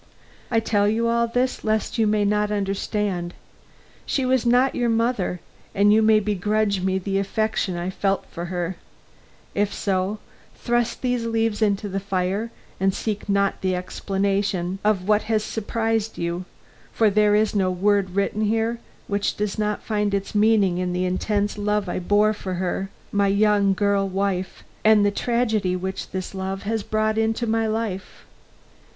I tell you all this, lest you may not understand. She was not your mother and you may begrudge me the affection I felt for her; if so, thrust these leaves into the fire and seek not the explanation of what has surprised you; for there is no word written here which does not find its meaning in the intense love I bore for her, my young girl wife, and the tragedy which this love has brought into my life.